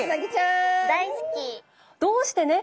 どうしてね